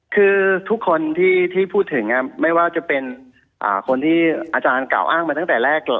คือทุกคนที่พูดถึงไม่ว่าจะเป็นคนที่อาจารย์กล่าวอ้างมาตั้งแต่แรกเลย